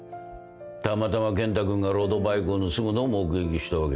たまたま健太君がロードバイクを盗むのを目撃したわけか。